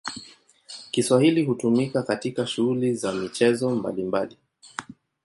Kiswahili hutumika katika shughuli za michezo mbalimbali.